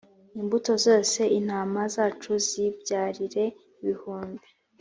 imbuto zose intama zacu zibyarire ibihumbi